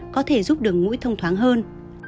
có thể giúp đường ngũi thông thoáng hơn